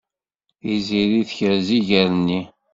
Tiziri tekrez iger-nni.